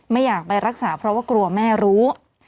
ไม่อยากไปรักษาเพราะว่ากลัวแม่รู้